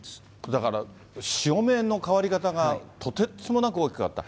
だから潮目の変わり方が、とてつもなく大きかった。